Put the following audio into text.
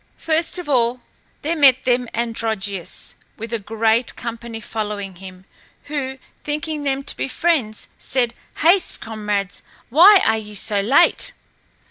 First of all there met them Androgeos with a great company following him, who, thinking them to be friends, said, "Haste, comrades; why are ye so late?